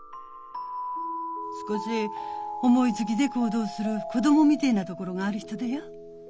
少し思いつぎで行動する子供みでえなどごろがある人でよ。